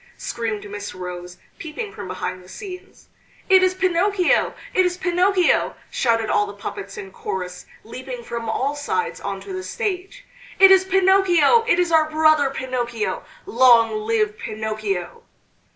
screamed Miss Rose, peeping from behind the scenes. "It is Pinocchio! it is Pinocchio!" shouted all the puppets in chorus, leaping from all sides on to the stage. "It is Pinocchio! It is our brother Pinocchio! Long live Pinocchio!"